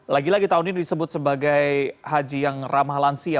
lagi lagi tahun ini disebut sebagai haji yang ramah lansia